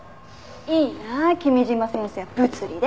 いいなあ君嶋先生は物理で。